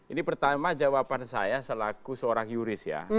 ini pertama jawaban saya selaku seorang yuris ya